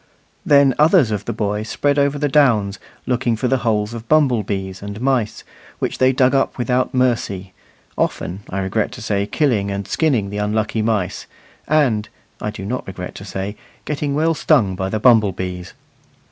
Then others of the boys spread over the downs, looking for the holes of humble bees and mice, which they dug up without mercy, often (I regret to say) killing and skinning the unlucky mice, and (I do not regret to say) getting well stung by the bumble bees.